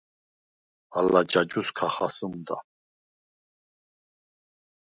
ალა ჯაჯუს ქა ხასჷმდა.